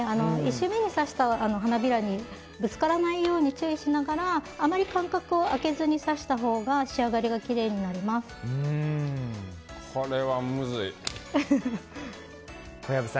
１周目に刺した花びらにぶつからないように注意しながらあまり間隔をあけずに刺したほうがこれは、むずい。